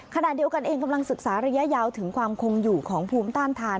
ขณะเดียวกันเองกำลังศึกษาระยะยาวถึงความคงอยู่ของภูมิต้านทาน